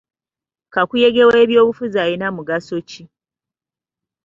Kakuyege w'ebyobufuzi alina mugaso ki?